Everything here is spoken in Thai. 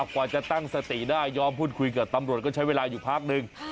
กว่าจะตั้งสติได้ยอมพูดคุยกับตำรวจก็ใช้เวลาอยู่พักหนึ่ง